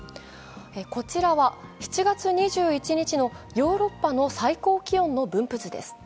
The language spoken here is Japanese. こちらは７月２１日のヨーロッパの最高気温の分布図です。